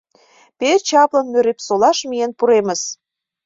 Пеш чаплын Нӧрепсолаш миен пуремыс!..